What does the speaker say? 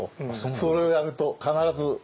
それをやると必ず。